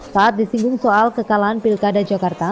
saat disinggung soal kekalahan pilkada jakarta